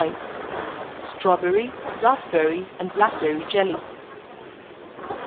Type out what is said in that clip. _Strawberry, Raspberry, and Blackberry Jelly.